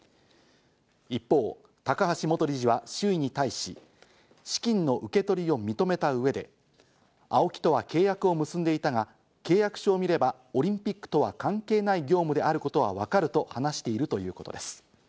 一方、高橋元理事は周囲に対し、資金の受け取りを認めた上でＡＯＫＩとは契約を結んでいたが契約書を見ればオリンピックとは関係ない業務であることが分かると話しているということです。